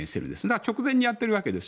直前にやっているわけです。